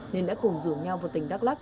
nên đã cùng rủ nhau vào tỉnh đắk lắc